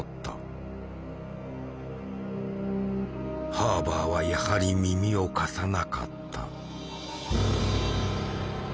ハーバーはやはり耳を貸さなかった。